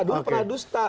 dulu pernah dusta